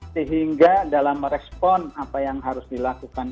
sehingga dalam merespon apa yang harus dilakukan